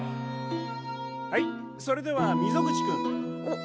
はいそれでは溝口君。